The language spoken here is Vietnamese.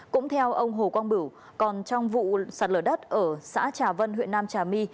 cũng theo ông hồ quang bửu còn trong vụ sạt lở đất ở xã trà vân huyện nam trà my